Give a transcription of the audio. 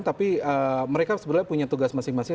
tapi mereka sebenarnya punya tugas masing masing